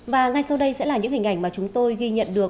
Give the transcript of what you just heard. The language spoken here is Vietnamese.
và ngay sau đây sẽ là những hình ảnh mà chúng tôi ghi nhận được